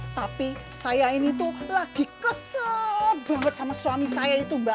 tapi saya ini tuh lagi kesel banget sama suami saya itu mbak